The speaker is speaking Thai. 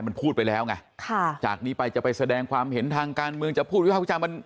มันพูดไปแล้วไงค่ะจากนี้ไปจะไปแสดงความเห็นทางการเมืองจะพูดวิภาควิจารณ์มัน